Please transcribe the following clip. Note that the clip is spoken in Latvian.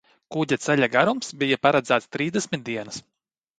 Kuģa ceļa garums bija paredzēts trīsdesmit dienas.